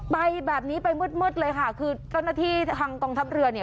ไปแบบนี้ไปมืดมืดเลยค่ะคือเจ้าหน้าที่ทางกองทัพเรือเนี่ย